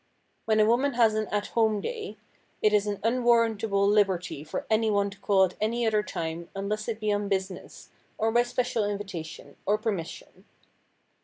When a woman has an "At Home" day it is an unwarrantable liberty for any one to call at any other time unless it be on business, or by special invitation, or permission.